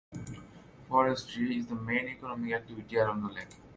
Forestry is the main economic activity around the lake.